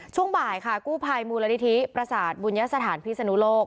ช่วงบ่ายค่ะกู้ภัยมูลนิธิประสาทบุญยสถานพิศนุโลก